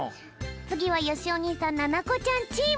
つぎはよしお兄さんななこちゃんチーム。